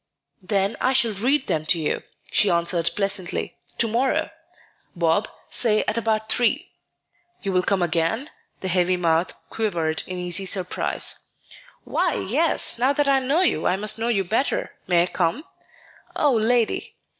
"Then I shall read them to you," she answered pleasantly, "to morrow, Bob, say at about three." "You will come again?" The heavy mouth quivered in eager surprise. "Why, yes; now that I know you, I must know you better. May I come?" "Oh, lady!"